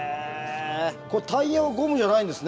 これタイヤはゴムじゃないんですね。